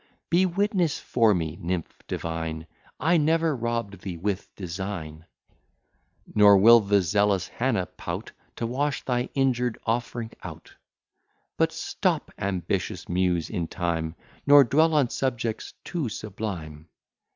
Be witness for me, nymph divine, I never robb'd thee with design; Nor will the zealous Hannah pout To wash thy injured offering out. But stop, ambitious Muse, in time, Nor dwell on subjects too sublime.